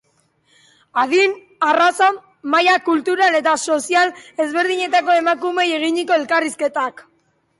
Adin, arraza, maila kultural eta sozial ezberdinetako emakumeei eginiko elkarrizketak.